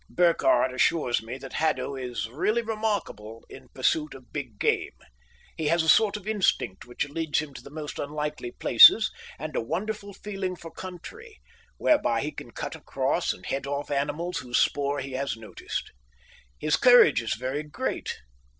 Burkhardt assures me that Haddo is really remarkable in pursuit of big game. He has a sort of instinct which leads him to the most unlikely places, and a wonderful feeling for country, whereby he can cut across, and head off animals whose spoor he has noticed. His courage is very great.